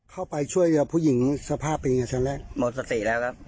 เข้าไปช่วยเหลือผู้หญิงสภาพเป็นยังไงตอนแรกหมดสติแล้วครับ